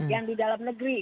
yang di dalam negeri